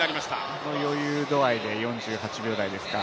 この余裕度合いで４８秒台ですか。